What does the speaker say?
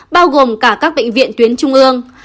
bao gồm cả các bệnh viện tuyến trung ương